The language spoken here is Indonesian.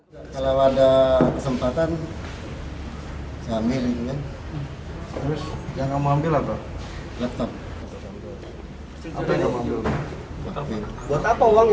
buat apa uangnya mas